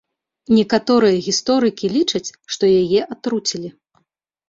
Некаторыя гісторыкі лічаць, што яе атруцілі.